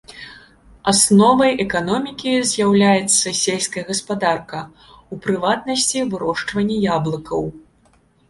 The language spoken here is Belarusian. Асновай эканомікі з'яўляецца сельская гаспадарка, у прыватнасці вырошчванне яблыкаў.